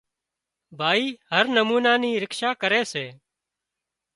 ڀائي هر نمونا نِي رکشا ڪري سي